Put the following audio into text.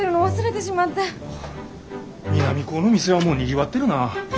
南高の店はもうにぎわってるなあ。